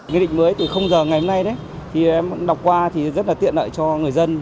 nghị định mới từ giờ ngày hôm nay em đọc qua rất tiện lợi cho người dân